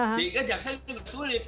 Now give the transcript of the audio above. sehingga jaksa itu sulit